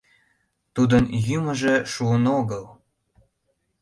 Тудын йӱмыжӧ шуын огыл.